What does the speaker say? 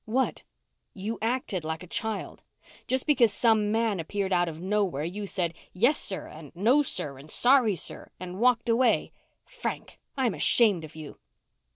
"What?" "You acted like a child. Just because some man appeared out of nowhere, you said Yes, sir and No, sir and Sorry, sir and walked away. Frank! I'm ashamed of you!"